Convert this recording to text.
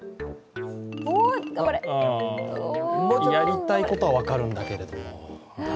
やりたいことは分かるんだけど。